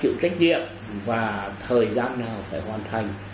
chịu trách nhiệm và thời gian nào phải hoàn thành